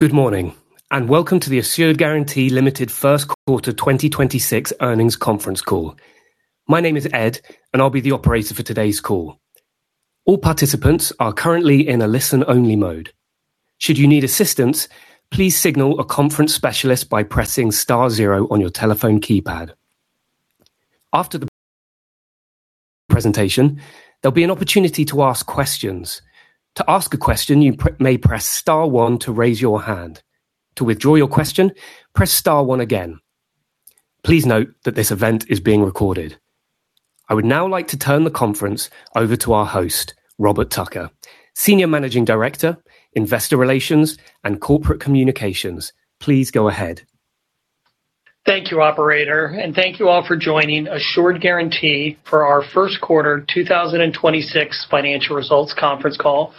Good morning, and welcome to the Assured Guaranty Ltd. First Quarter 2026 earnings conference call. My name is Ed, and I'll be the operator for today's call. All participants are currently in a listen-only mode. Should you need assistance, please signal a conference specialist by pressing star zero on your telephone keypad. After the presentation, there'll be an opportunity to ask questions. To ask a question, you may press star one to raise your hand. To withdraw your question, press star one again. Please note that this event is being recorded. I would now like to turn the conference over to our host, Robert Tucker, Senior Managing Director, Investor Relations and Corporate Communications. Please go ahead. Thank you, operator. Thank you all for joining Assured Guaranty for our first quarter 2026 financial results conference call.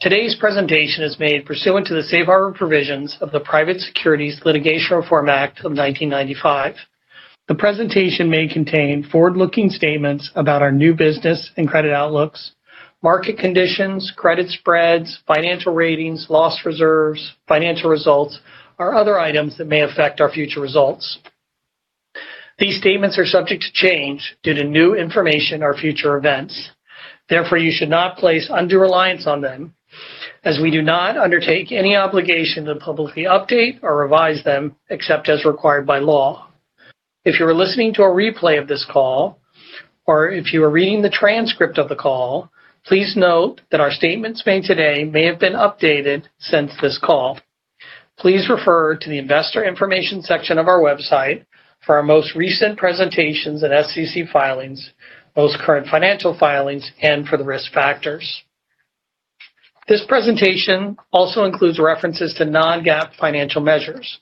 Today's presentation is made pursuant to the safe harbor provisions of the Private Securities Litigation Reform Act of 1995. The presentation may contain forward-looking statements about our new business and credit outlooks, market conditions, credit spreads, financial ratings, loss reserves, financial results, or other items that may affect our future results. These statements are subject to change due to new information or future events. Therefore, you should not place undue reliance on them as we do not undertake any obligation to publicly update or revise them except as required by law. If you are listening to a replay of this call or if you are reading the transcript of the call, please note that our statements made today may have been updated since this call. Please refer to the investor information section of our website for our most recent presentations and SEC filings, most current financial filings, and for the risk factors. This presentation also includes references to non-GAAP financial measures.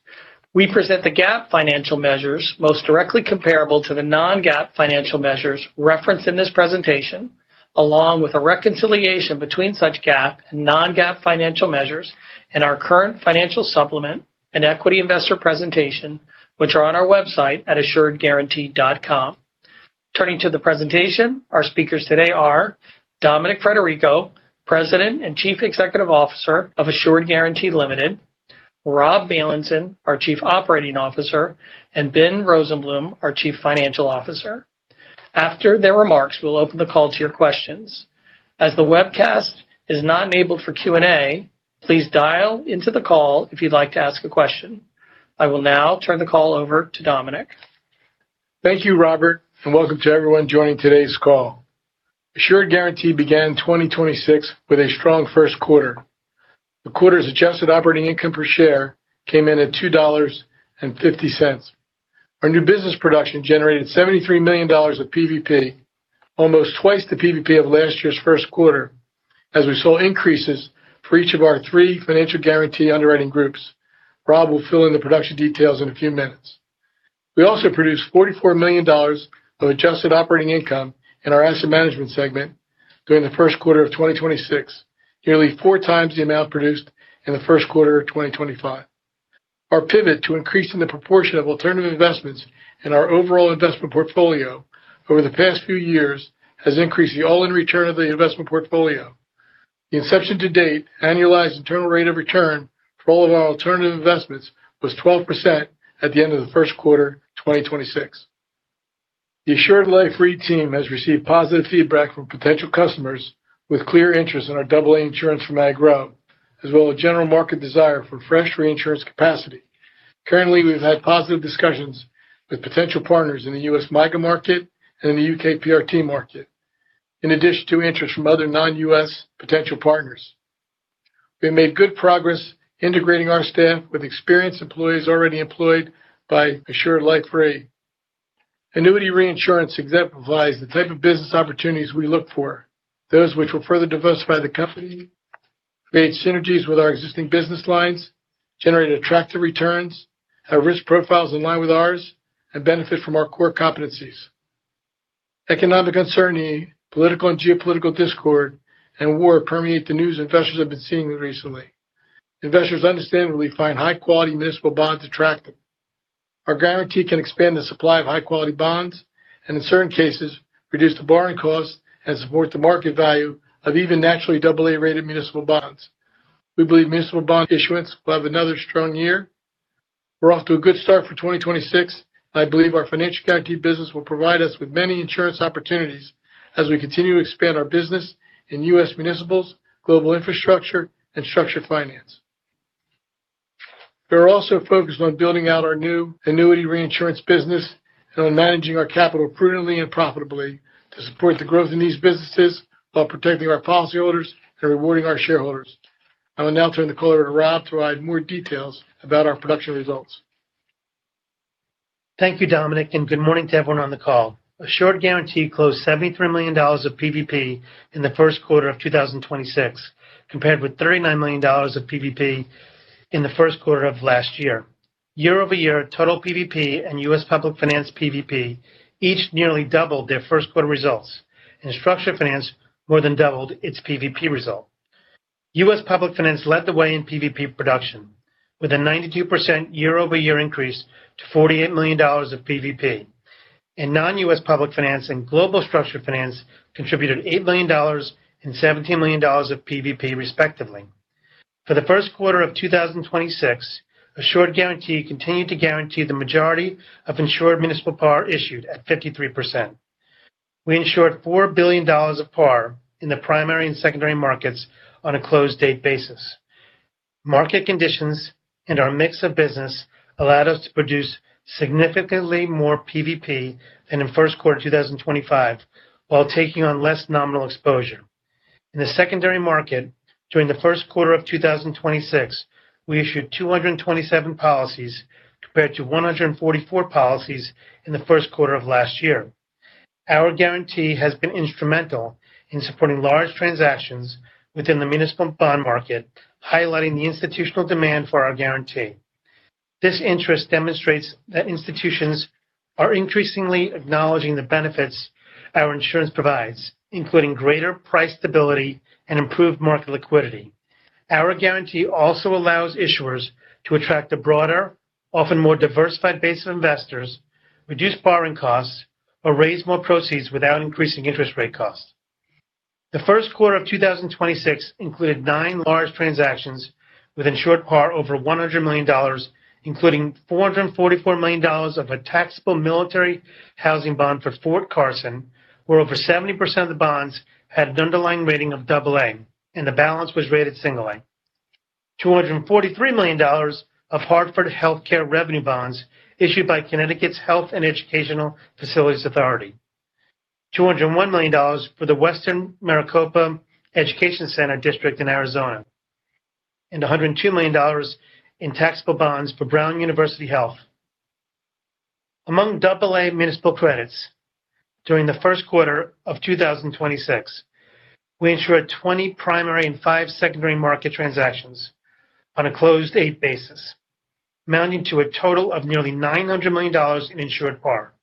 We present the GAAP financial measures most directly comparable to the non-GAAP financial measures referenced in this presentation, along with a reconciliation between such GAAP and non-GAAP financial measures in our current financial supplement and equity investor presentation, which are on our website at assuredguaranty.com. Turning to the presentation, our speakers today are Dominic Frederico, President and Chief Executive Officer of Assured Guaranty Ltd., Rob Bailenson, our Chief Operating Officer, and Ben Rosenblum, our Chief Financial Officer. After their remarks, we'll open the call to your questions. As the webcast is not enabled for Q&A, please dial into the call if you'd like to ask a question. I will now turn the call over to Dominic. Thank you, Robert, and welcome to everyone joining today's call. Assured Guaranty began 2026 with a strong first quarter. The quarter's adjusted operating income per share came in at $2.50. Our new business production generated $73 million of PVP, almost twice the PVP of last year's first quarter as we saw increases for each of our three financial guarantee underwriting groups. Rob will fill in the production details in a few minutes. We also produced $44 million of adjusted operating income in our asset management segment during the first quarter of 2026, nearly 4x the amount produced in the first quarter of 2025. Our pivot to increasing the proportion of alternative investments in our overall investment portfolio over the past few years has increased the all-in return of the investment portfolio. The inception to date annualized internal rate of return for all of our alternative investments was 12% at the end of the first quarter 2026. The Assured Life Re team has received positive feedback from potential customers with clear interest in our double insurance for MYGA, as well as general market desire for fresh reinsurance capacity. Currently, we've had positive discussions with potential partners in the U.S. MYGA market and in the U.K. PRT market, in addition to interest from other non-U.S. potential partners. We made good progress integrating our staff with experienced employees already employed by Assured Life Re. Annuity reinsurance exemplifies the type of business opportunities we look for, those which will further diversify the company, create synergies with our existing business lines, generate attractive returns, have risk profiles in line with ours, and benefit from our core competencies. Economic uncertainty, political and geopolitical discord, and war permeate the news investors have been seeing recently. Investors understandably find high-quality municipal bonds attractive. Assured Guaranty can expand the supply of high-quality bonds and, in certain cases, reduce the borrowing costs and support the market value of even naturally AA-rated municipal bonds. We believe municipal bond issuance will have another strong year. We're off to a good start for 2026. I believe our financial guaranty business will provide us with many insurance opportunities as we continue to expand our business in U.S. municipals, global infrastructure, and structured finance. We are also focused on building out our new annuity reinsurance business and on managing our capital prudently and profitably to support the growth in these businesses while protecting our policyholders and rewarding our shareholders. I will now turn the call over to Rob to provide more details about our production results. Thank you, Dominic, and good morning to everyone on the call. Assured Guaranty closed $73 million of PVP in the first quarter of 2026, compared with $39 million of PVP in the first quarter of last year. Year-over-year, total PVP and U.S. Public Finance PVP each nearly doubled their first quarter results, and structured finance more than doubled its PVP result. U.S. Public Finance led the way in PVP production, with a 92% year-over-year increase to $48 million of PVP. In non-U.S. Public Finance and global structured finance contributed $8 million and $17 million of PVP respectively. For the first quarter of 2026, Assured Guaranty continued to guarantee the majority of insured municipal par issued at 53%. We insured $4 billion of par in the primary and secondary markets on a close date basis. Market conditions and our mix of business allowed us to produce significantly more PVP than in first quarter 2025 while taking on less nominal exposure. In the secondary market, during the first quarter of 2026, we issued 227 policies compared to 144 policies in the first quarter of last year. Our guarantee has been instrumental in supporting large transactions within the municipal bond market, highlighting the institutional demand for our guarantee. This interest demonstrates that institutions are increasingly acknowledging the benefits our insurance provides, including greater price stability and improved market liquidity. Our guarantee also allows issuers to attract a broader, often more diversified base of investors, reduce borrowing costs, or raise more proceeds without increasing interest rate costs. The first quarter of 2026 included nine large transactions within insured par over $100 million, including $444 million of a taxable military housing bond for Fort Carson, where over 70% of the bonds had an underlying rating of AA, and the balance was rated A. $243 million of Hartford HealthCare revenue bonds issued by Connecticut Health and Educational Facilities Authority. $201 million for the Western Maricopa Education Center District in Arizona, and $102 million in taxable bonds for Brown University Health. Among AA municipal credits, during the first quarter of 2026, we insured 20 primary and five secondary market transactions on a closed date basis, amounting to a total of nearly $900 million in insured par.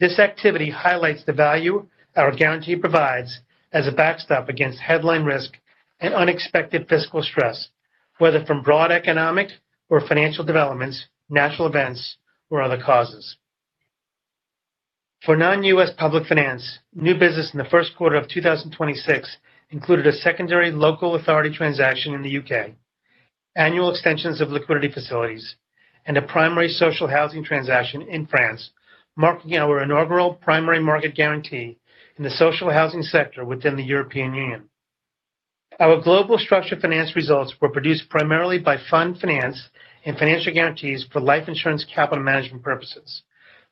This activity highlights the value our guarantee provides as a backstop against headline risk and unexpected fiscal stress, whether from broad economic or financial developments, natural events, or other causes. For non-U.S. Public Finance, new business in the first quarter of 2026 included a secondary local authority transaction in the U.K. Annual extensions of liquidity facilities, and a primary social housing transaction in France, marking our inaugural primary market guarantee in the social housing sector within the European Union. Our global structured finance results were produced primarily by fund finance and financial guarantees for life insurance capital management purposes.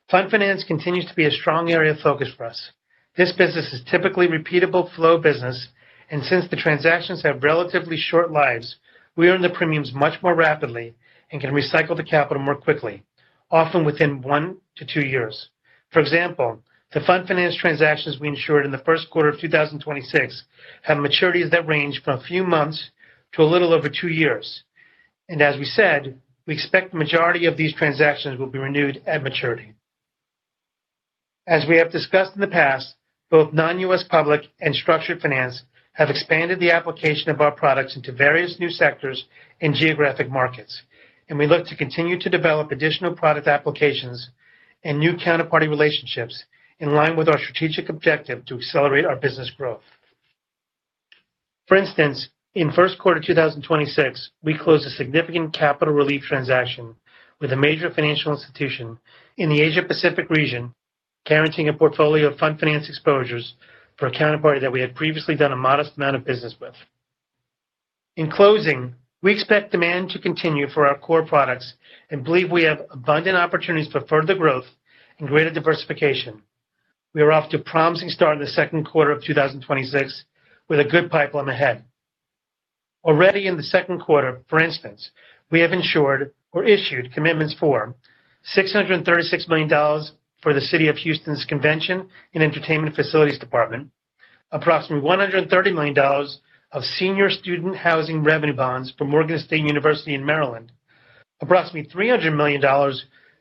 Fund finance continues to be a strong area of focus for us. This business is typically repeatable flow business, and since the transactions have relatively short lives, we earn the premiums much more rapidly and can recycle the capital more quickly, often within one to two years. For example, the fund finance transactions we insured in the first quarter of 2026 have maturities that range from a few months to a little over two years. As we said, we expect the majority of these transactions will be renewed at maturity. As we have discussed in the past, both non-U.S. Public and Structured Finance have expanded the application of our products into various new sectors and geographic markets, and we look to continue to develop additional product applications and new counterparty relationships in line with our strategic objective to accelerate our business growth. For instance, in first quarter 2026, we closed a significant capital relief transaction with a major financial institution in the Asia-Pacific region, guaranteeing a portfolio of fund finance exposures for a counterparty that we had previously done a modest amount of business with. In closing, we expect demand to continue for our core products and believe we have abundant opportunities for further growth and greater diversification. We are off to a promising start in the second quarter of 2026 with a good pipeline ahead. Already in the second quarter, for instance, we have insured or issued commitments for $636 million for the City of Houston's Convention and Entertainment Facilities Department, approximately $130 million of senior student housing revenue bonds for Morgan State University in Maryland, approximately $300 million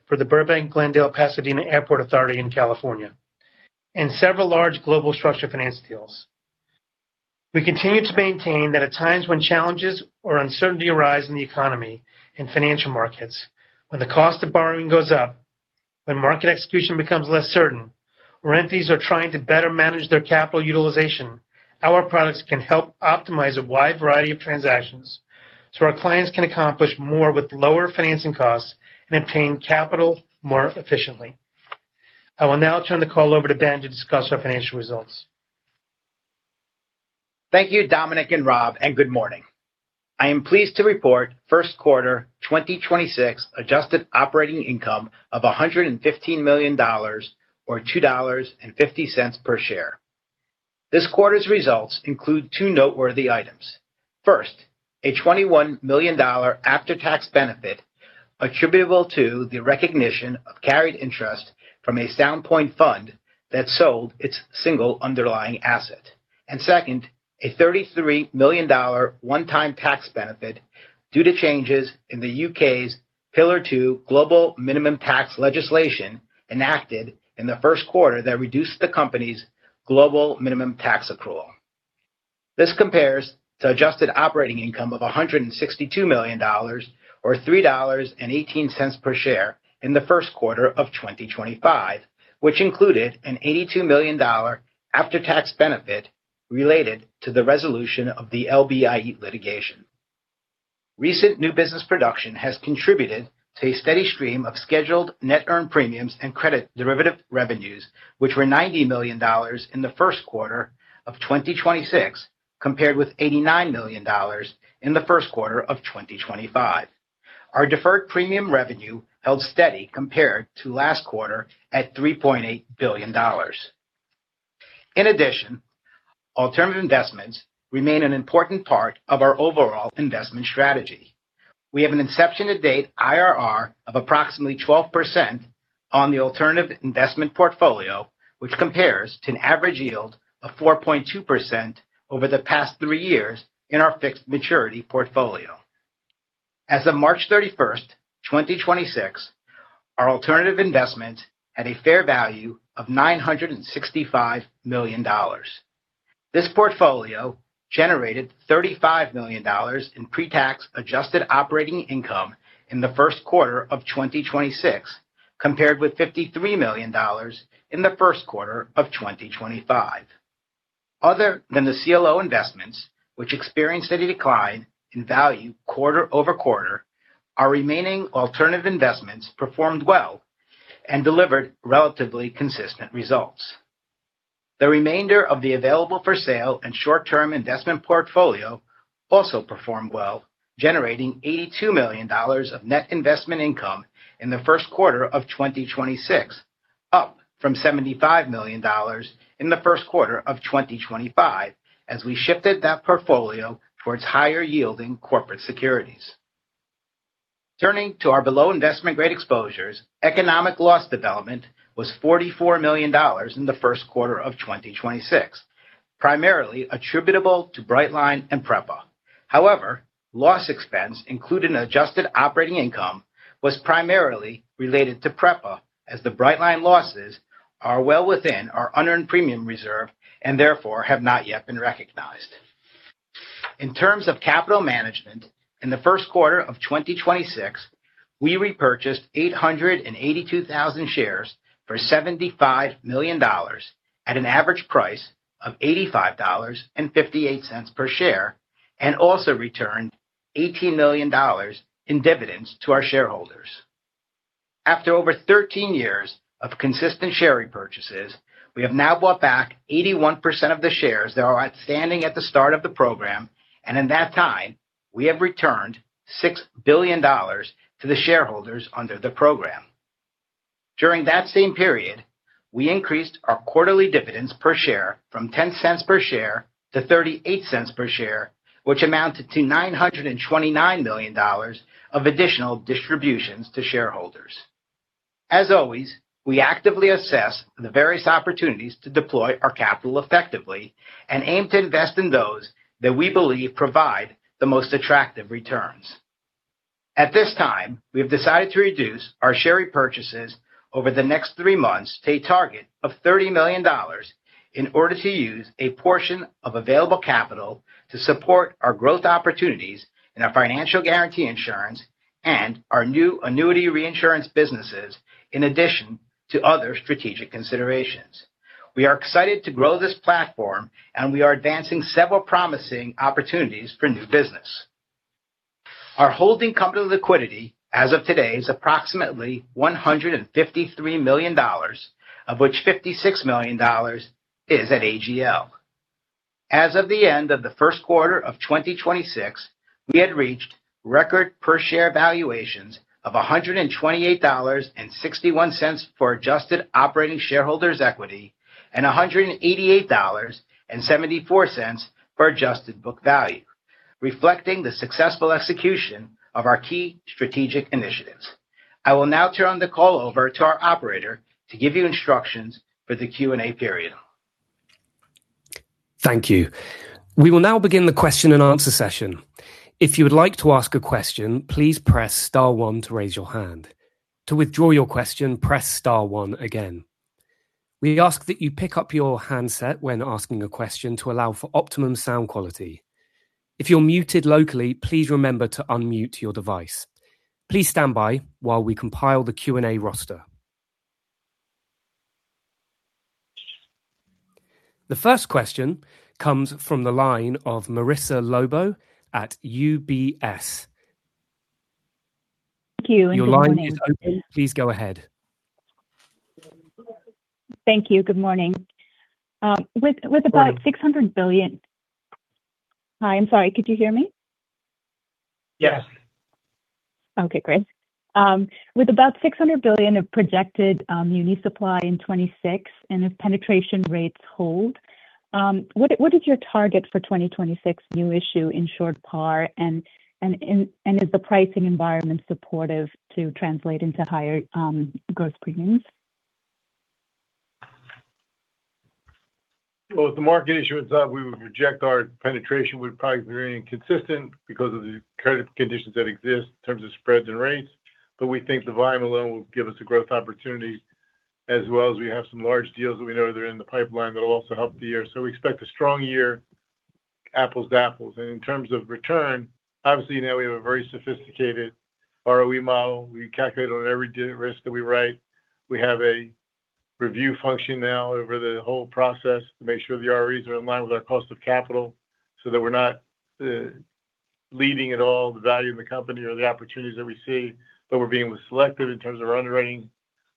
for the Burbank-Glendale-Pasadena Airport Authority in California, and several large global structured finance deals. We continue to maintain that at times when challenges or uncertainty arise in the economy and financial markets, when the cost of borrowing goes up, when market execution becomes less certain, when entities are trying to better manage their capital utilization, our products can help optimize a wide variety of transactions, so our clients can accomplish more with lower financing costs and obtain capital more efficiently. I will now turn the call over to Ben to discuss our financial results. Thank you, Dominic and Rob, and good morning. I am pleased to report first quarter 2026 adjusted operating income of $115 million or $2.50 per share. This quarter's results include two noteworthy items. First, a $21 million after-tax benefit attributable to the recognition of carried interest from a Sound Point fund that sold its single underlying asset. Second, a $33 million one-time tax benefit due to changes in the U.K.'s Pillar Two global minimum tax legislation enacted in the first quarter that reduced the company's global minimum tax accrual. This compares to adjusted operating income of $162 million or $3.18 per share in the first quarter of 2025, which included an $82 million after-tax benefit related to the resolution of the LBIE litigation. Recent new business production has contributed to a steady stream of scheduled net earned premiums and credit derivative revenues, which were $90 million in the first quarter of 2026, compared with $89 million in the first quarter of 2025. Our deferred premium revenue held steady compared to last quarter at $3.8 billion. In addition, alternative investments remain an important part of our overall investment strategy. We have an inception to date IRR of approximately 12% on the alternative investment portfolio, which compares to an average yield of 4.2% over the past three years in our fixed maturity portfolio. As of March 31st, 2026, our alternative investment had a fair value of $965 million. This portfolio generated $35 million in pre-tax adjusted operating income in the first quarter of 2026, compared with $53 million in the first quarter of 2025. Other than the CLO investments, which experienced a decline in value quarter-over-quarter, our remaining alternative investments performed well and delivered relatively consistent results. The remainder of the available for sale and short-term investment portfolio also performed well, generating $82 million of net investment income in the first quarter of 2026, up from $75 million in the first quarter of 2025 as we shifted that portfolio towards higher yielding corporate securities. Turning to our below investment grade exposures, economic loss development was $44 million in the first quarter of 2026, primarily attributable to Brightline and PREPA. However, loss expense included an adjusted operating income was primarily related to PREPA, as the Brightline losses are well within our unearned premium reserve and therefore have not yet been recognized. In terms of capital management, in the first quarter of 2026, we repurchased 882,000 shares for $75 million at an average price of $85.58 per share, and also returned $18 million in dividends to our shareholders. After over 13 years of consistent share repurchases, we have now bought back 81% of the shares that are outstanding at the start of the program, and in that time, we have returned $6 billion to the shareholders under the program. During that same period, we increased our quarterly dividends per share from $0.10 per share to $0.38 per share, which amounted to $929 million of additional distributions to shareholders. As always, we actively assess the various opportunities to deploy our capital effectively and aim to invest in those that we believe provide the most attractive returns. At this time, we have decided to reduce our share repurchases over the next three months to a target of $30 million in order to use a portion of available capital to support our growth opportunities in our financial guarantee insurance and our new annuity reinsurance businesses, in addition to other strategic considerations. We are excited to grow this platform, and we are advancing several promising opportunities for new business. Our holding company liquidity as of today is approximately $153 million, of which $56 million is at AGL. As of the end of the first quarter of 2026, we had reached record per share valuations of $128.61 for adjusted operating shareholders equity and $188.74 for adjusted book value, reflecting the successful execution of our key strategic initiatives. I will now turn the call over to our operator to give you instructions for the Q&A period. The first question comes from the line of Marissa Lobo at UBS. Thank you, and good morning. Your line is open. Please go ahead. Thank you. Good morning, with about $600 billion. Hi, I'm sorry. Could you hear me? Yes. Okay, great. With about $600 billion of projected municipal supply in 2026 and if penetration rates hold. What is your target for 2026 new issue in short par? And is the pricing environment supportive to translate into higher gross premiums? Well, if the market issuance up, we would project our penetration would probably remain consistent because of the current conditions that exist in terms of spreads and rates. We think the volume alone will give us a growth opportunity. As well as we have some large deals that we know are there in the pipeline that will also help the year. We expect a strong year, apples to apples. In terms of return, obviously now we have a very sophisticated ROE model. We calculate on every risk that we write. We have a review function now over the whole process to make sure the ROEs are in line with our cost of capital so that we're not leaving at all the value of the company or the opportunities that we see. But we're being selective in terms of our underwriting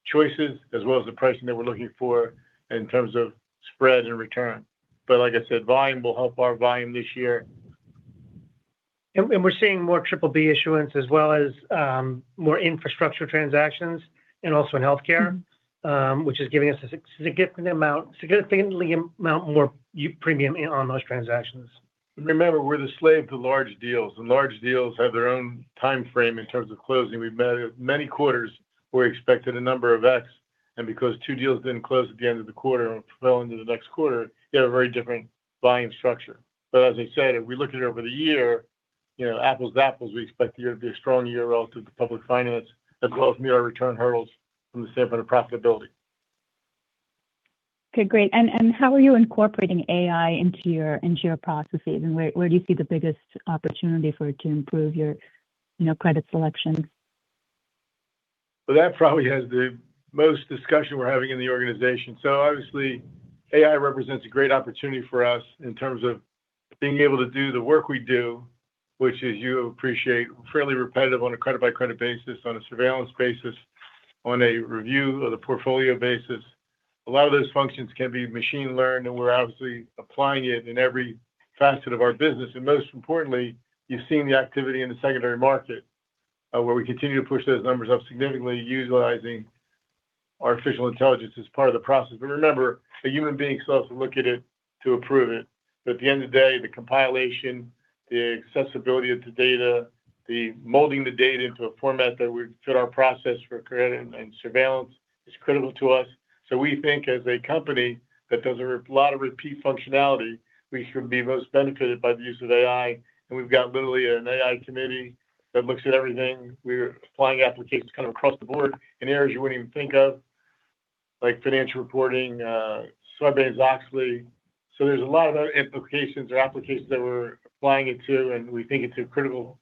choices as well as the pricing that we're looking for in terms of spreads and return. Like I said, volume will help our volume this year. We're seeing more BBB issuance as well as, more infrastructure transactions and also in healthcare, which is giving us significantly amount more premium on those transactions. Remember, we're the slave to large deals, and large deals have their own timeframe in terms of closing. We've met many quarters where we expected a number of X, and because two deals didn't close at the end of the quarter and fell into the next quarter, they had a very different volume structure. As I said, if we look at it over the year, you know, apples to apples, we expect the year to be a strong year relative to Public Finance as well as meet our return hurdles from the standpoint of profitability. Okay, great. How are you incorporating AI into your, into your processes? Where do you see the biggest opportunity for it to improve your, you know, credit selections? That probably has the most discussion we're having in the organization. Obviously AI represents a great opportunity for us in terms of being able to do the work we do, which is you appreciate fairly repetitive on a credit-by-credit basis, on a surveillance basis, on a review of the portfolio basis. A lot of those functions can be machine learned, and we're obviously applying it in every facet of our business. Most importantly, you've seen the activity in the secondary market, where we continue to push those numbers up significantly utilizing artificial intelligence as part of the process. Remember, a human being still has to look at it to approve it. At the end of the day, the compilation, the accessibility of the data, the molding the data into a format that would fit our process for credit and surveillance is critical to us. We think as a company that does a lot of repeat functionality, we should be most benefited by the use of AI. We've got literally an AI committee that looks at everything. We're applying applications kind of across the board in areas you wouldn't even think of, like financial reporting, surveys, actually. There's a lot of other implications or applications that we're applying it to, and we think it's a critical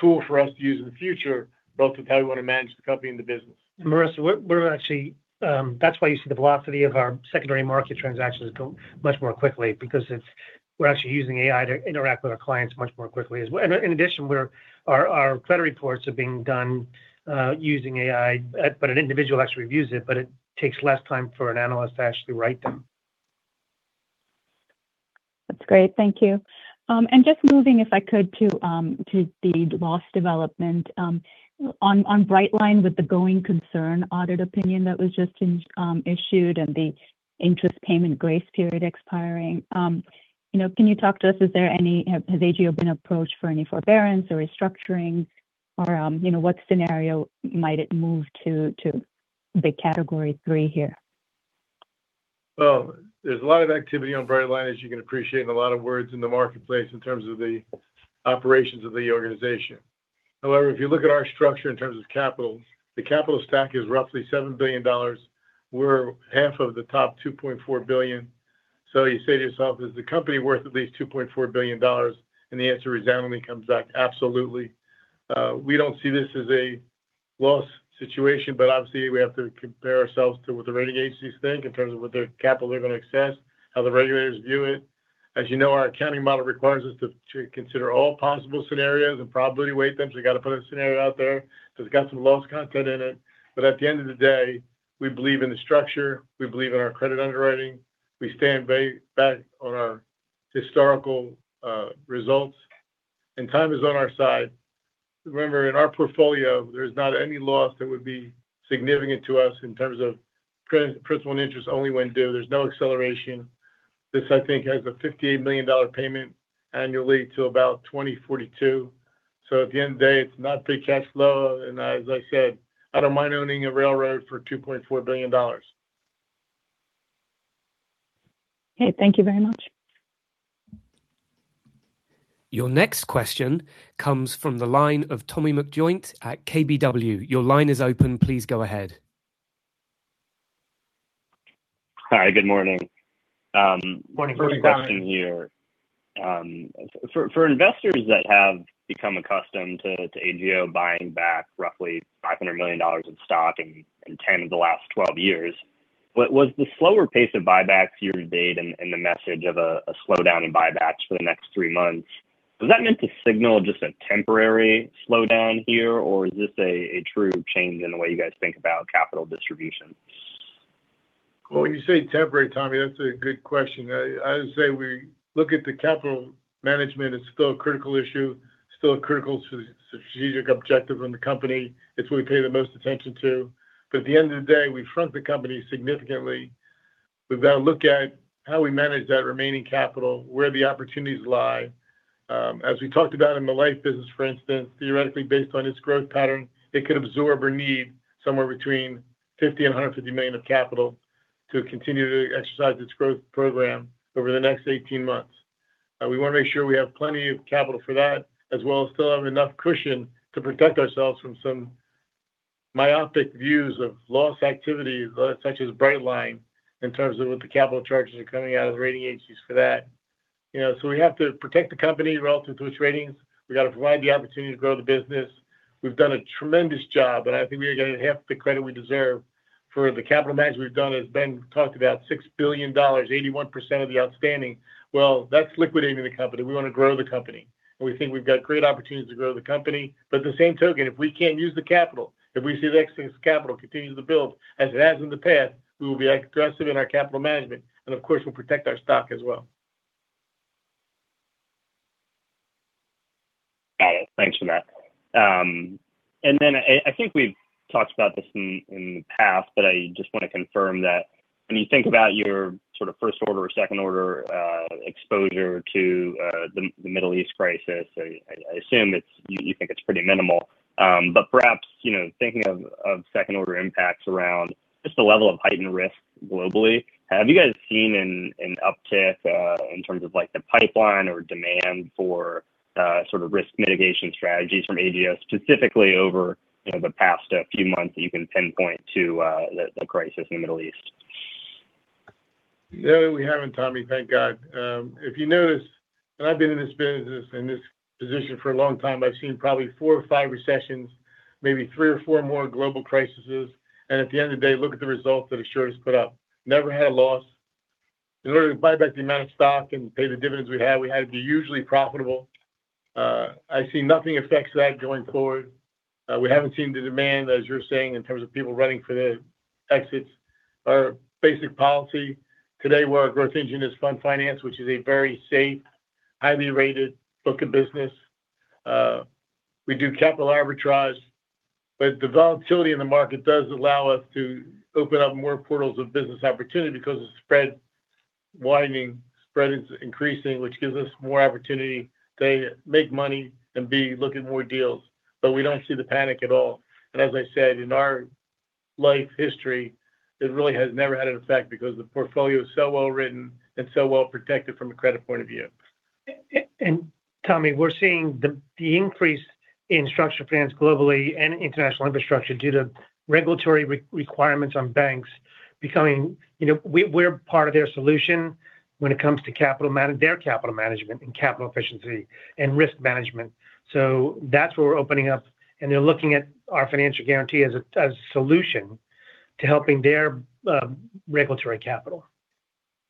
tool for us to use in the future, both with how we want to manage the company and the business. Marissa, we're actually, that's why you see the velocity of our secondary market transactions go much more quickly because we're actually using AI to interact with our clients much more quickly as well. In addition, our credit reports are being done using AI, but an individual actually reviews it, but it takes less time for an analyst to actually write them. That's great. Thank you. Just moving if I could to the loss development. On Brightline with the going concern audit opinion that was just issued and the interest payment grace period expiring. You know, can you talk to us, is there any, has AGO been approached for any forbearance or restructuring or, you know, what scenario might it move to the Category 3 here? Well, there's a lot of activity on Brightline, as you can appreciate, and a lot of words in the marketplace in terms of the operations of the organization. However, if you look at our structure in terms of capital, the capital stack is roughly $7 billion. We're half of the top $2.4 billion. You say to yourself, is the company worth at least $2.4 billion? The answer resoundingly comes back absolutely. We don't see this as a loss situation, but obviously we have to compare ourselves to what the rating agencies think in terms of what their capital they're going to access, how the regulators view it. As you know, our accounting model requires us to consider all possible scenarios and probability weight them, so you got to put a scenario out there that's got some loss content in it. At the end of the day, we believe in the structure. We believe in our credit underwriting. We stand back on our historical results. Time is on our side. Remember, in our portfolio, there's not any loss that would be significant to us in terms of principal and interest only when due. There's no acceleration. This, I think, has a $58 million payment annually to about 2042. At the end of the day, it's not free cash flow. As I said, I don't mind owning a railroad for $2.4 billion. Okay. Thank you very much. Your next question comes from the line of Tommy McJoynt at KBW. Your line is open. Please go ahead. Hi, good morning. Morning, Tommy. Question here. For investors that have become accustomed to AGO buying back roughly $500 million in stock in 10 of the last 12 years, what was the slower pace of buybacks year to date and the message of a slowdown in buybacks for the next three months? Was that meant to signal just a temporary slowdown here, or is this a true change in the way you guys think about capital distribution? Well, when you say temporary, Tommy, that's a good question. I would say we look at the capital management as still a critical issue, still a critical strategic objective in the company. It's what we pay the most attention to. At the end of the day, we front the company significantly. We've got to look at how we manage that remaining capital, where the opportunities lie. As we talked about in the life business, for instance, theoretically based on its growth pattern, it could absorb or need somewhere between $50 million and $150 million of capital to continue to exercise its growth program over the next 18 months. We want to make sure we have plenty of capital for that, as well as still have enough cushion to protect ourselves from some myopic views of loss activity, such as Brightline in terms of what the capital charges are coming out of the rating agencies for that. You know, we have to protect the company relative to its ratings. We got to provide the opportunity to grow the business. We've done a tremendous job, and I think we are gonna have the credit we deserve for the capital management we've done. As Ben talked about, $6 billion, 81% of the outstanding. Well, that's liquidating the company. We want to grow the company, and we think we've got great opportunities to grow the company. The same token, if we can't use the capital, if we see the excess capital continue to build as it has in the past, we will be aggressive in our capital management and, of course, we'll protect our stock as well. Got it. Thanks for that. I think we've talked about this in the past, but I just want to confirm that when you think about your sort of first order or second order exposure to the Middle East crisis, I assume you think it's pretty minimal. Perhaps, you know, thinking of second order impacts around just the level of heightened risk globally, have you guys seen an uptick, in terms of, like, the pipeline or demand for sort of risk mitigation strategies from AGO specifically over, you know, the past few months that you can pinpoint to the crisis in the Middle East? No, we haven't, Tommy, thank God. If you notice, I've been in this business, in this position for a long time, I've seen probably four or five recessions, maybe three or four more global crises. At the end of the day, look at the results that Assured Guaranty put up. Never had a loss. In order to buy back the amount of stock and pay the dividends we had, we had to be usually profitable. I see nothing affects that going forward. We haven't seen the demand, as you're saying, in terms of people running for the exits. Our basic policy today, where our growth engine is fund finance, which is a very safe, highly rated book of business. We do capital arbitrage, but the volatility in the market does allow us to open up more portals of business opportunity because of spread widening. Spread is increasing, which gives us more opportunity to make money than be looking more deals. We don't see the panic at all. As I said, in our life history, it really has never had an effect because the portfolio is so well-written and so well-protected from a credit point of view. Tommy, we're seeing the increase in structured finance globally and international infrastructure due to regulatory requirements on banks. You know, we're part of their solution when it comes to capital management and capital efficiency and risk management. That's where we're opening up. They're looking at our financial guarantee as a solution to helping their regulatory capital.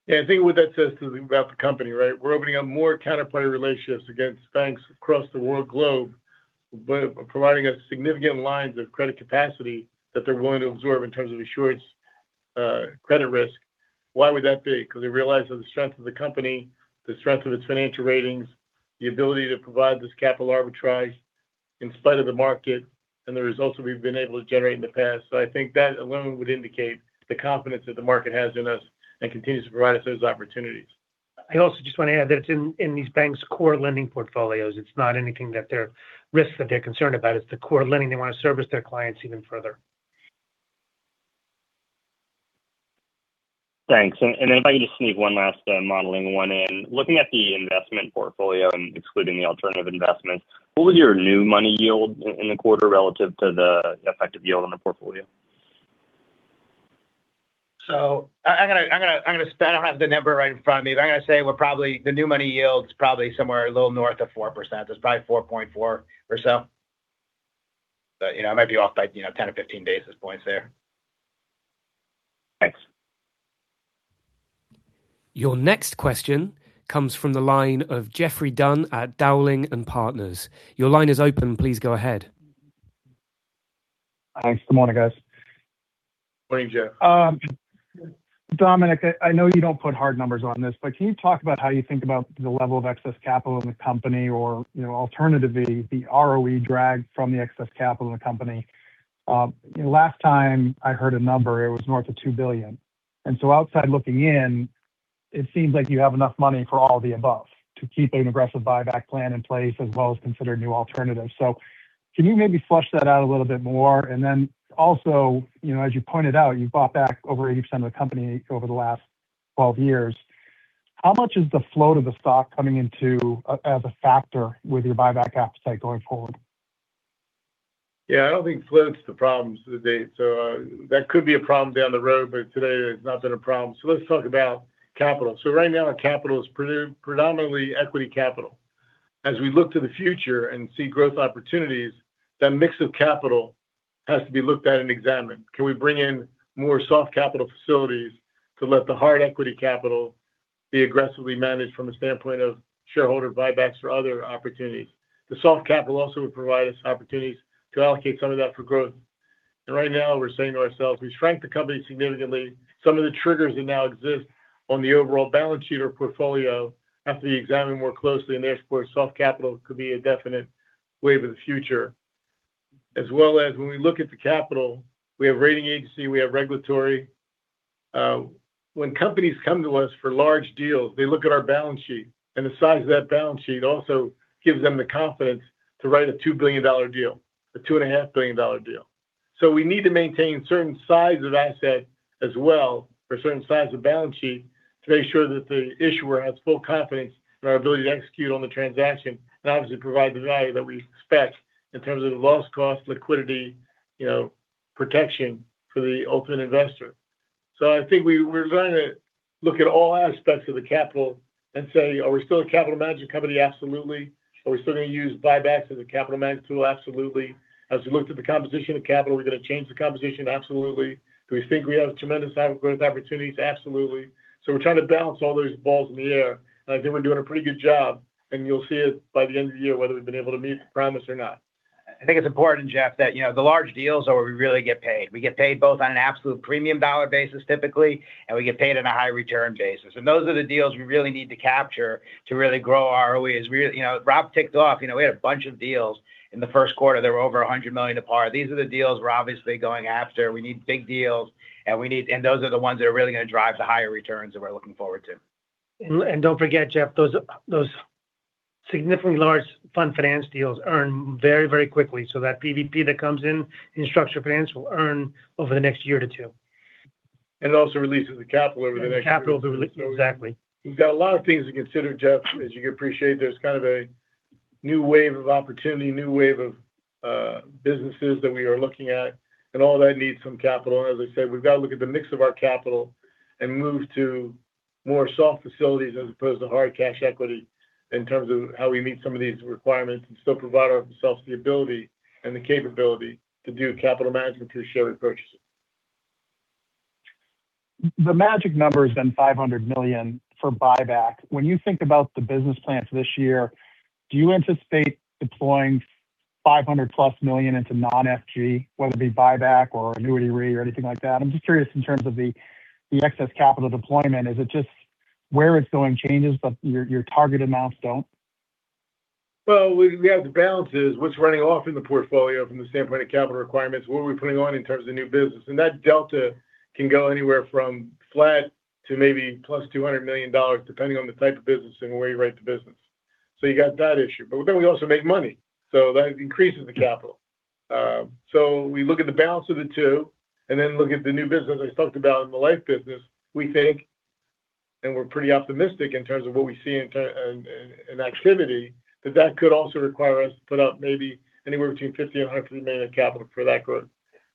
Yeah. I think what that says to you about the company, right? We're opening up more counterparty relationships against banks across the world globe by providing us significant lines of credit capacity that they're willing to absorb in terms of Assured credit risk. Why would that be? They realize that the strength of the company, the strength of its financial ratings, the ability to provide this capital arbitrage in spite of the market and the results that we've been able to generate in the past. I think that alone would indicate the confidence that the market has in us and continues to provide us those opportunities. I also just want to add that it's in these banks' core lending portfolios. It's not anything that risks that they're concerned about. It's the core lending. They want to service their clients even further. Thanks. If I could just sneak one last modeling one in. Looking at the investment portfolio and excluding the alternative investments, what was your new money yield in the quarter relative to the effective yield on the portfolio? I don't have the number right in front of me, but I'm gonna say we're probably the new money yield's probably somewhere a little north of 4%. It's probably 4.4% or so. You know, I might be off by, you know, 10 or 15 basis points there. Thanks. Your next question comes from the line of Geoffrey Dunn at Dowling & Partners. Your line is open. Please go ahead. Thanks. Good morning, guys. Morning, Geoff. Dominic, I know you don't put hard numbers on this, but can you talk about how you think about the level of excess capital in the company or, you know, alternatively, the ROE drag from the excess capital in the company? You know, last time I heard a number, it was north of $2 billion. Outside looking in, it seems like you have enough money for all the above to keep an aggressive buyback plan in place, as well as consider new alternatives. Can you maybe flush that out a little bit more? You know, as you pointed out, you bought back over 80% of the company over the last 12 years. How much is the float of the stock coming in as a factor with your buyback appetite going forward? Yeah, I don't think float's the problem to date. That could be a problem down the road, but today it's not been a problem. Let's talk about capital. Right now our capital is predominantly equity capital. As we look to the future and see growth opportunities, that mix of capital has to be looked at and examined. Can we bring in more soft capital facilities to let the hard equity capital be aggressively managed from a standpoint of shareholder buybacks or other opportunities? The soft capital also would provide us opportunities to allocate some of that for growth. Right now we're saying to ourselves, we shrank the company significantly. Some of the triggers that now exist on the overall balance sheet or portfolio have to be examined more closely, and therefore soft capital could be a definite wave of the future. As well as when we look at the capital, we have rating agency, we have regulatory. When companies come to us for large deals, they look at our balance sheet, and the size of that balance sheet also gives them the confidence to write a $2 billion deal, a $2.5 billion deal. We need to maintain certain size of asset as well, or certain size of balance sheet to make sure that the issuer has full confidence in our ability to execute on the transaction, and obviously provide the value that we expect in terms of loss cost, liquidity, you know, protection for the ultimate investor. I think we're going to look at all aspects of the capital and say, are we still a capital management company? Absolutely. Are we still gonna use buybacks as a capital management tool? Absolutely. As we look to the composition of capital, are we gonna change the composition? Absolutely. Do we think we have tremendous amount of growth opportunities? Absolutely. We're trying to balance all those balls in the air, and I think we're doing a pretty good job, and you'll see it by the end of the year whether we've been able to meet the promise or not. I think it's important, Geoff, that, you know, the large deals are where we really get paid. We get paid both on an absolute premium dollar basis typically, and we get paid on a high return basis. Those are the deals we really need to capture to really grow our ROEs. We, you know, Rob ticked off, you know, we had a bunch of deals in the first quarter that were over $100 million a pop. These are the deals we're obviously going after. We need big deals. Those are the ones that are really going to drive the higher returns that we're looking forward to. Don't forget, Geoff, those significantly large fund finance deals earn very, very quickly. That PVP that comes in structured finance will earn over the next year to two. It also releases the capital over the next year or two. The capital to release. Exactly. We've got a lot of things to consider, Geoff. As you can appreciate, there's kind of a new wave of opportunity, new wave of businesses that we are looking at, all that needs some capital. As I said, we've got to look at the mix of our capital and move to more soft facilities as opposed to hard cash equity in terms of how we meet some of these requirements and still provide ourselves the ability and the capability to do capital management through share repurchasing. The magic number has been $500 million for buyback. When you think about the business plans for this year. Do you anticipate deploying $500+ million into non-FG, whether it be buyback or annuity re or anything like that? I'm just curious in terms of the excess capital deployment. Is it just where it's going changes, but your target amounts don't? We have to balance is what's running off in the portfolio from the standpoint of capital requirements, what are we putting on in terms of new business? That delta can go anywhere from flat to maybe +$200 million, depending on the type of business and where you write the business. You got that issue. We also make money, so that increases the capital. We look at the balance of the two and then look at the new business I talked about in the life business. We think, and we're pretty optimistic in terms of what we see in activity, that that could also require us to put up maybe anywhere between $50 million and $100 million capital for that growth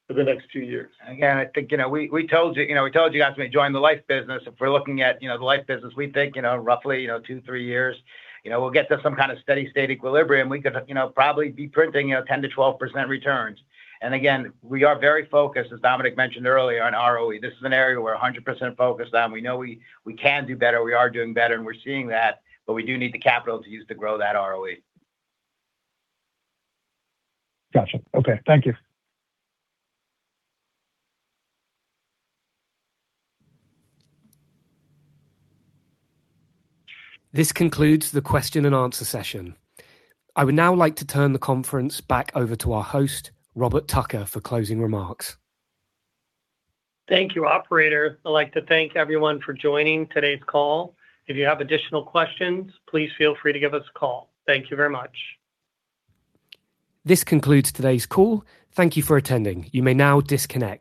for the next two years. I think, you know, we told you know, we told you guys when we joined the life business, if we're looking at, you know, the life business, we think, you know, roughly, you know, two to three years, you know, we'll get to some kind of steady state equilibrium. We could, you know, probably be printing, you know, 10%-12% returns. Again, we are very focused, as Dominic mentioned earlier, on ROE. This is an area we're 100% focused on. We know we can do better, we are doing better, and we're seeing that, but we do need the capital to use to grow that ROE. Gotcha. Okay. Thank you. This concludes the question and answer session. I would now like to turn the conference back over to our host, Robert Tucker, for closing remarks. Thank you, operator. I'd like to thank everyone for joining today's call. If you have additional questions, please feel free to give us a call. Thank you very much. This concludes today's call. Thank you for attending. You may now disconnect.